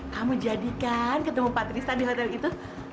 kamu jadi kan ketemu patrista di hotel itu